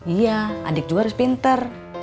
iya adik juga harus pintar